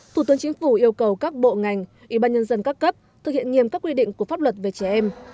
thủ tướng chính phủ yêu cầu các bộ ngành ủy ban nhân dân các cấp thực hiện nghiêm các quy định của pháp luật về trẻ em